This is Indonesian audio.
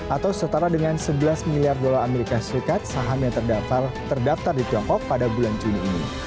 atau setara dengan sebelas miliar dolar as saham yang terdaftar di tiongkok pada bulan juni ini